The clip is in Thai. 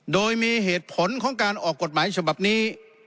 โดยมีเหตุผลของการออกกฎหมายฉบับนี้